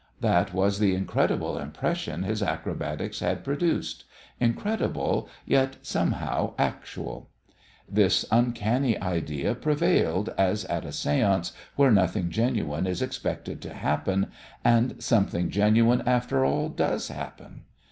That was the incredible impression his acrobatics had produced incredible, yet somehow actual. This uncanny idea prevailed, as at a séance where nothing genuine is expected to happen, and something genuine, after all, does happen.